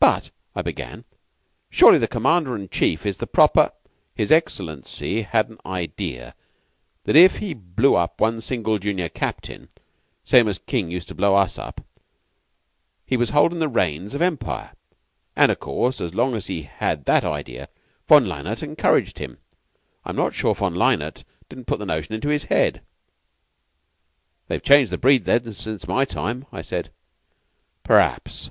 "But," I began, "surely the Commander in Chief is the proper " "His Excellency had an idea that if he blew up one single junior captain same as King used to blow us up he was holdin' the reins of empire, and, of course, as long as he had that idea, Von Lennaert encouraged him. I'm not sure Von Lennaert didn't put that notion into his head." "They've changed the breed, then, since my time," I said. "P'r'aps.